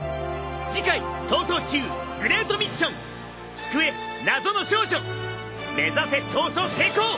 次回『逃走中グレートミッション』目指せ逃走成功！